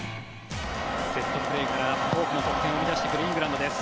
セットプレーから多くの得点を生み出してくるイングランドです。